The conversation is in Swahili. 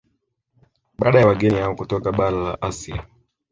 Baada ya wageni hao kutoka bara la Asia